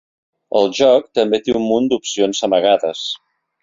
El joc també té un munt d'opcions amagades.